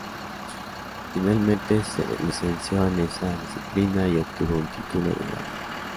Finalmente se licenció en esa disciplina y obtuvo un título de grado.